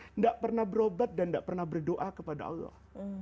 tidak pernah berobat dan tidak pernah berdoa kepada allah